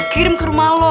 kirim ke rumah lo